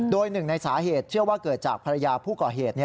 โดยหนึ่งในสาเหตุเชื่อว่าเกิดจากภรรยาผู้ก่อเหตุ